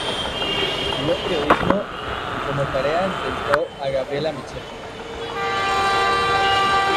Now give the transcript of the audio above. Estudió periodismo y como tarea entrevistó a Gabriela Michetti.